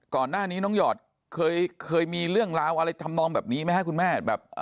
ก่อนหน้านี้น้องหยอดเคยมีเรื่องราวอะไรทำนองแบบนี้ไหมครับคุณแม่แบบ